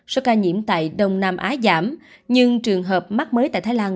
số ca nhiễm tại đông nam á giảm nhưng trường hợp mắc mới tại thái lan